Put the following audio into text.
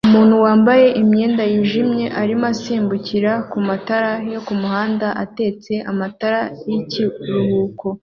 Umuntu wambaye umwenda wijimye arimo asimbukira kumatara yo kumuhanda atatse amatara yibiruhuko